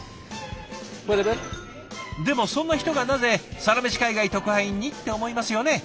でもそんな人がなぜサラメシ海外特派員に？って思いますよね。